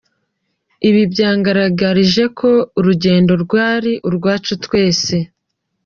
Ibi byangaragarije ko urugendo rwari urwacu twese.